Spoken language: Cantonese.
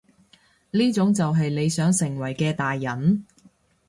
呢種就係你想成為嘅大人？